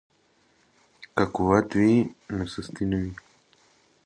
که قوت وي نو سستي نه وي.